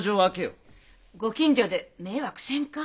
御近所で迷惑せんか？